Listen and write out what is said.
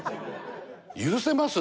許せます？